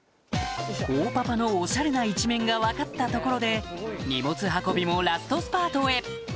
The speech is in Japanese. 大パパのオシャレな一面が分かったところで荷物運びもラストスパートへ！